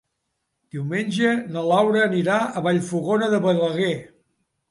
Diumenge na Laura anirà a Vallfogona de Balaguer.